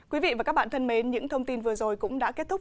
quý vị và các bạn thân mến những thông tin vừa rồi cũng đã kết thúc